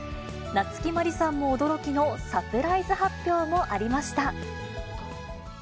夏木マリさんも驚きのサプライズ発表もありました。